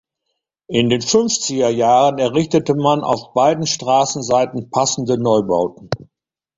In den Fünfziger Jahren errichtete man auf beiden Straßenseiten passende Neubauten.